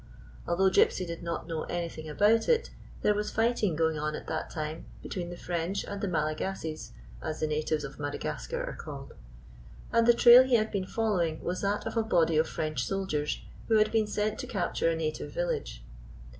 Although Gypsy did not know anything about it, there was fight ing going on at that time between the French and the Malagasies, as the natives of Madagas car are called ; and the trail he had been follow ing was that of a body of French soldiers who had been sent to capture a native village.